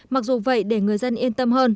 mặc dù vậy để người dân yên tâm hơn